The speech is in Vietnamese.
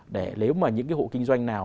để nếu mà những cái hộ kinh doanh nào